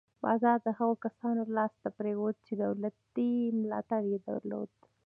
بازار د هغو کسانو لاس ته پرېوت چې دولتي ملاتړ یې درلود.